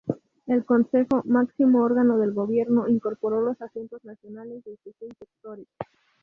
El Consejo, máximo órgano del gobierno, incorporó los asuntos nacionales desde seis sectores.